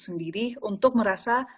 sendiri untuk merasa